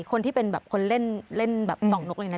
คนที่เป็นคนเล่นส่องนกเลยมันน่ะ